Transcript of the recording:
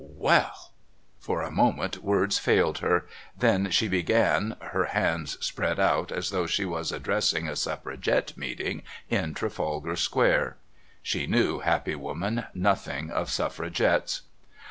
"Well!" For a moment words failed her; then she began, her hands spread out as though she was addressing a Suffragette meeting in Trafalgar Square. (She knew, happy woman, nothing of Suffragettes.)